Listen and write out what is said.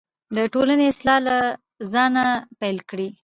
د ټولنې اصلاح له ځانه پیل کړئ.